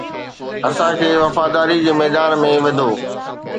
اسان کي وفاداري جي ميدان ۾ وڌو